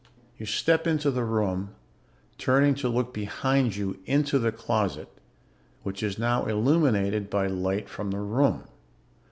You step into the room, turning to look behind you into the closet, which is now illuminated by light from the room.